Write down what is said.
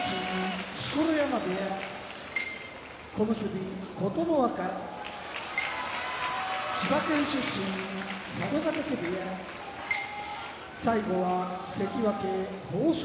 錣山部屋小結・琴ノ若千葉県出身佐渡ヶ嶽部屋関脇豊昇